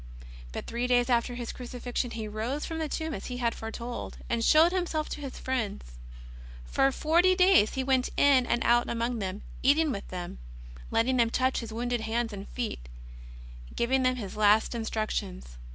But three days after His Crucifixion He rose from the tomb as He had foretold, and showed Himself to His friends. For forty days He went in and out among them, eat ing with them, letting them touch His wounded hands and feet, giving them His last instructions.